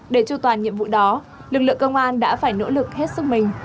dù toàn nhiệm vụ đó lực lượng công an đã phải nỗ lực hết sức mình